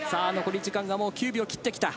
残り時間は９秒を切ってきた。